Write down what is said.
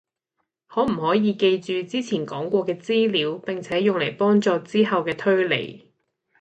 可唔可以記住之前講過嘅資料，並且用嚟幫助之後嘅推理